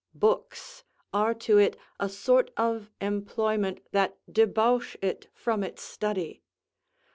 Books are to it a sort of employment that debauch it from its study.